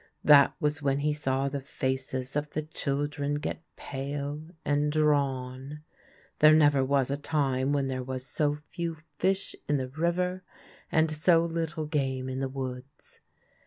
That was when he saw the faces of the children get pale and drawn. There never was a time when there were so few fish in the river and so little game in the woods.